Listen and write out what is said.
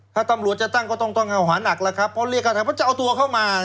ถ้าตำรวจจะตั้งก็ต้องเอาหาหนัก